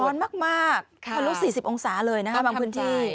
ร้อนมากทะลุ๔๐องศาเลยนะคะบางพื้นที่